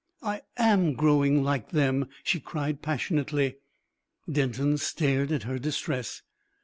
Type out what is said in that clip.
"I am growing like them," she cried passionately. Denton stared at her distress.